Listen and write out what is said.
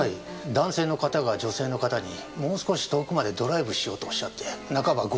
男性の方が女性の方にもう少し遠くまでドライブしようとおっしゃって半ば強引に。